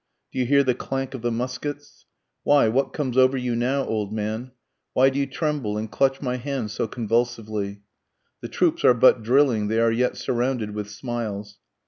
Do you hear the clank of the muskets? Why what comes over you now old man? Why do you tremble and clutch my hand so convulsively? The troops are but drilling, they are yet surrounded with smiles.